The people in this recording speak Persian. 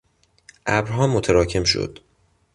ابرها متراکم شد.